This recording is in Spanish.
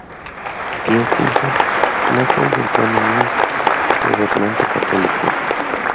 Pío V no consultó a ningún gobernante católico.